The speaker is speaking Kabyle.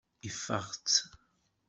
Ifeɣ-tt.